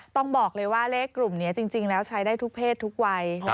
ต้องบอกเลยว่าเลขกลุ่มนี้จริงแล้วใช้ได้ทุกเพศทุกวัย